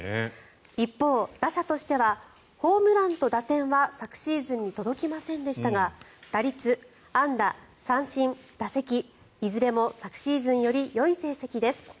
一方、打者としてはホームランと打点は昨シーズンに届きませんでしたが打率、安打、三振、打席いずれも昨シーズンよりよい成績です。